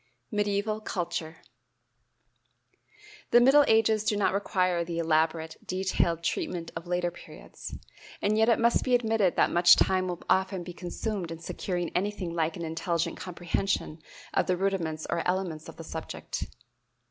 Medieval Culture. The middle ages do not require the elaborate, detailed treatment of later periods; and yet it must be admitted that much time will often be consumed in securing anything like an intelligent comprehension of the rudiments or elements of the subject.